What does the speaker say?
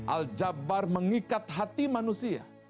al jabbar mengikat hati manusia